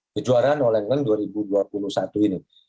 kejuaraan o lenggeng dua ribu dua puluh satu ini